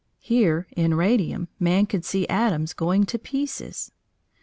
Here, in radium, man could see atoms going to pieces.